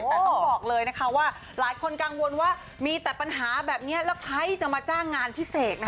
แต่ต้องบอกเลยนะคะว่าหลายคนกังวลว่ามีแต่ปัญหาแบบนี้แล้วใครจะมาจ้างงานพิเศษนะคะ